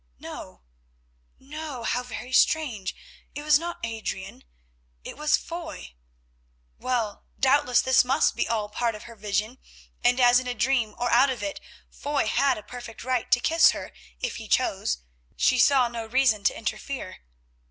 No, no, how very strange, it was not Adrian, it was Foy! Well, doubtless this must be all part of her vision, and as in dream or out of it Foy had a perfect right to kiss her if he chose, she saw no reason to interfere.